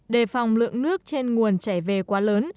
đề phòng lượng nước trên nguồn chảy về quá lớn